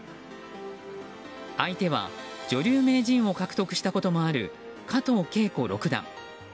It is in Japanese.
相手は女流名人を獲得したこともある加藤啓子六段。